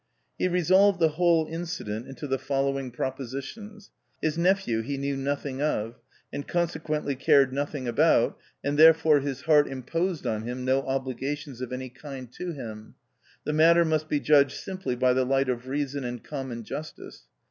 He resolved the whole incident into the following propositions. His nephew he knew nothing of, and con sequently cared nothing about, and therefore his heart imposed on him no obligations of any kind to him ; the matter must be judged simply by the light of reason and common justice.